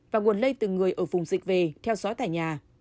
và nguồn lây từ người ở vùng dịch về theo dõi tại nhà